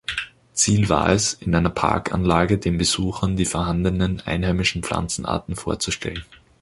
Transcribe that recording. Ziel war es, in einer Parkanlage den Besuchern die vorhandenen einheimischen Pflanzenarten vorzustellen.